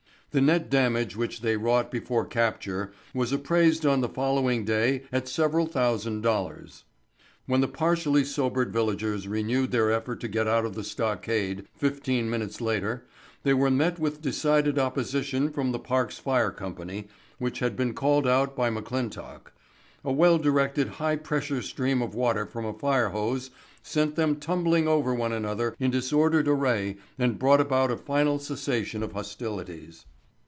The net damage which they wrought before capture was appraised on the following day at several thousand dollars. When the partially sobered villagers renewed their effort to get out of the stockade fifteen minutes later they were met with decided opposition from the park's fire company, which had been called out by McClintock. A well directed high pressure stream of water from a fire hose sent them tumbling over one another in disordered array and brought about a final cessation of hostilities.